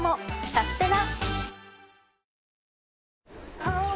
サステナ！